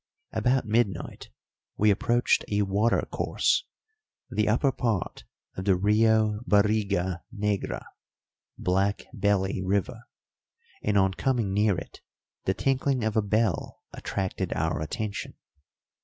About midnight we approached a watercourse, the upper part of the Rio Barriga Negra Black Belly River and on coming near it the tinkling of a bell attracted our attention.